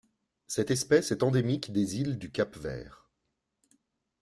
Cette espèce est endémique des îles du Cap-Vert.